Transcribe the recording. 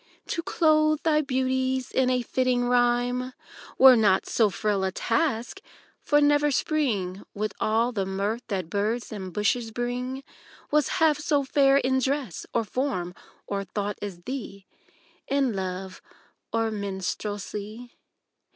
To clothe thy beauties in a fitting rhyme Were not so frail a task: for never spring With all the mirth that birds and bushes bring Was half so fair in dress, or form, or tho't as thee: In love or minstrelsy.